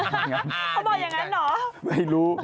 เขาบอกอย่างนั้นหรอ